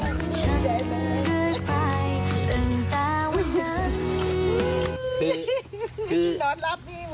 โแล้วไม่เพิ่ม